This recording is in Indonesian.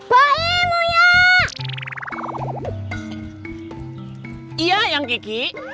tapi biar udah udah